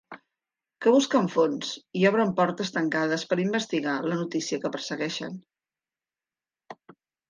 Que busquen fonts i obren portes tancades per investigar la notícia que persegueixen.